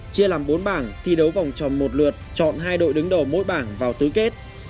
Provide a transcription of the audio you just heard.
chia làm bốn bảng thi đấu vòng tròn một lượt chọn hai đội đứng đầu mỗi bảng vào tứ kết